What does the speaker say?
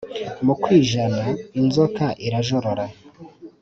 Mukwijana inzoka irajorora,